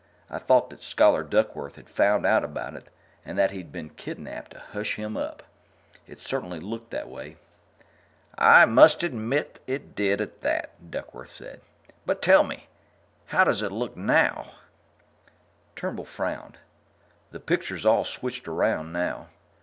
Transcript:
I thought that Scholar Duckworth had found out about it and that he'd been kidnaped to hush him up. It certainly looked that way." "I must admit it did, at that," Duckworth said. "But tell me how does it look now?" Turnbull frowned. "The picture's all switched around now.